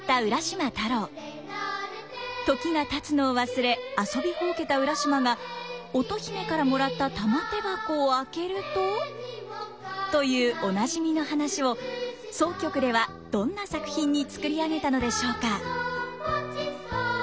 時がたつのを忘れ遊びほうけた浦島が乙姫からもらった玉手箱を開けるとというおなじみの話を箏曲ではどんな作品に作り上げたのでしょうか？